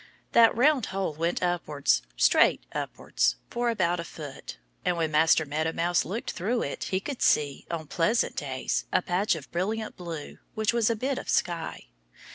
That round hole went upwards straight upwards for about a foot. And when Master Meadow Mouse looked through it he could see, on pleasant days, a patch of brilliant blue, which was a bit of sky.